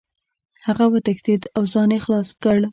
هغه وتښتېد او ځان یې خلاص کړ.